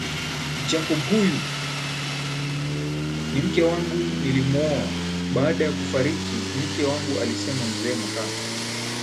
Jacob huyu ni mke wangu nilimuoa baada ya kufariki mke wangualisema mzee Makame